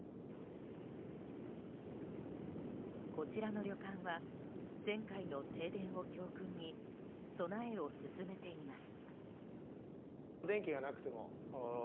こちらの旅館は前回の停電を教訓に、備えを進めています。